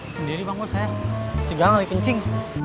sendiri bang bos ya segala li kencing